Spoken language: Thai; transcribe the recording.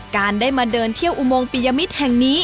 การได้มาเดินเที่ยวอุโมงปิยมิตรแห่งนี้